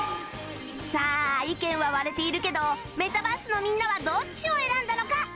さあ意見は割れているけどメタバースのみんなはどっちを選んだのか？